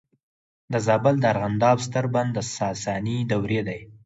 د زابل د ارغنداب ستر بند د ساساني دورې دی